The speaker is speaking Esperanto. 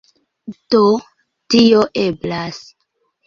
Do, tio eblas.